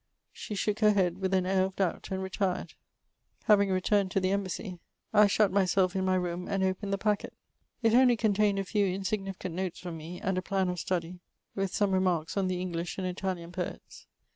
She shook her head with tin air of doubt, and retired. Flaving returned to the embassy, I shut myself in my room, and opened the packet. It only contained a few insignificant notes from me, and a plan of study, with some remarks on the English and Italian poets.